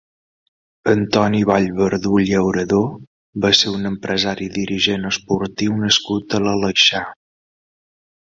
Antoni Vallverdú Llauradó va ser un empresari i dirigent esportiu nascut a l'Aleixar.